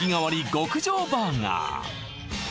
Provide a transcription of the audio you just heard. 極上バーガー